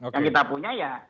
yang kita punya ya